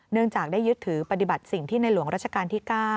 เนื่องจากได้ยึดถือปฏิบัติสิ่งที่ในหลวงราชการที่๙